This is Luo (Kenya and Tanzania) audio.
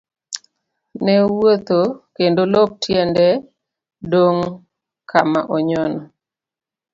Ne owuotho kendo lop tiende dong' kama onyono.